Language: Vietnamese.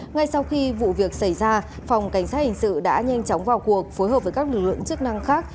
ngay sau khi vụ việc xảy ra phòng cảnh sát hình sự đã nhanh chóng vào cuộc phối hợp với các lực lượng chức năng khác